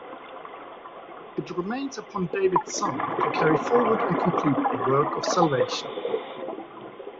It remains upon David's son to carry forward and complete the work of salvation.